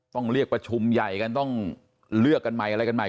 ต้องเรียกประชุมใหญ่กันต้องเลือกกันใหม่อะไรกันใหม่